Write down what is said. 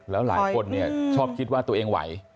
แล้วหลายคนชอบคิดว่าตัวเองไหว